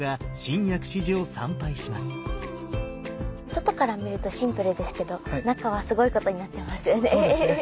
外から見るとシンプルですけど中はすごいことになってますよね。